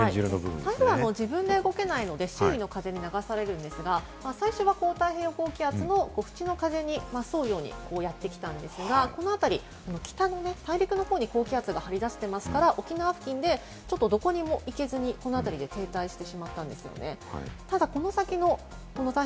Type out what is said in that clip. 台風は自分で動けないので、周囲の風に流されるんですが最初はこう海上を縁に沿うように、こうやってやってきたんですが、北の大陸の方に高気圧が張り出していますから、沖縄付近でちょっとどこにも行けずに、この辺りで停滞してしまっている。